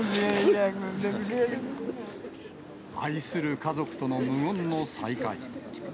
愛する家族との無言の再会。